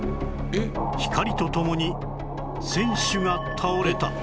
光とともに選手が倒れた！